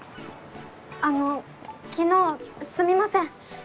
あの昨日すみません！